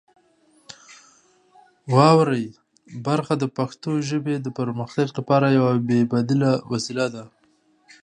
واورئ برخه د پښتو ژبې د پرمختګ لپاره یوه بې بدیله وسیله ده.